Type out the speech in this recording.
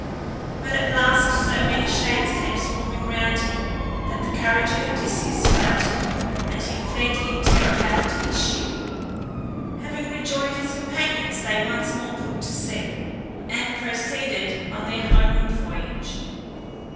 But at last so many shades came swarming round him that the courage of Odysseus failed him, and he fled in terror back to his ship. Having rejoined his companions they once more put to sea, and proceeded on their homeward voyage.